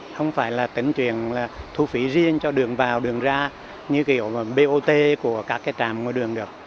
không phải là tỉnh truyền thu phí riêng cho đường vào đường ra như kiểu bot của các trạm ngôi đường được